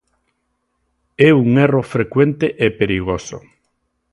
É un erro frecuente e perigoso.